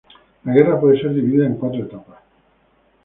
La guerra puede ser dividida en cuatro etapas.